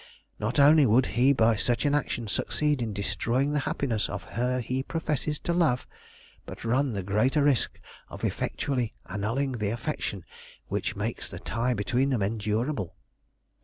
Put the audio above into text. Not only would he by such an action succeed in destroying the happiness of her he professes to love, but run the greater risk of effectually annulling the affection which makes the tie between them endurable."